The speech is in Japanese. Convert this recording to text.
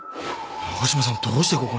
長嶋さんどうしてここに？